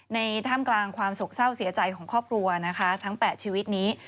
ท่ามกลางความโศกเศร้าเสียใจของครอบครัวนะคะทั้ง๘ชีวิตนี้